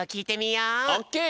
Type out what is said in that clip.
オッケー！